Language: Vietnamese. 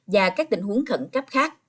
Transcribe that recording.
và các tình huống khẩn cấp khác